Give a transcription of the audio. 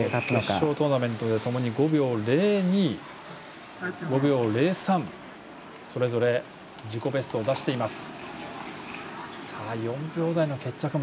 決勝トーナメントでともに５秒０２５秒０３、それぞれ自己ベストを出しています。